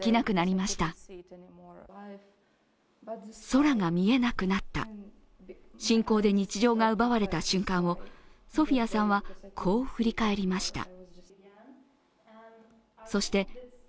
空が見えなくなった、侵攻で日常が奪われた瞬間をソフィアさんはこう振り返りました。